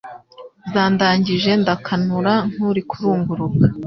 Zandangije ndakanura nkuri kurunguruka